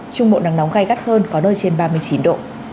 trung bộ nắng nóng gai gắt hơn có nơi trên ba mươi chín độ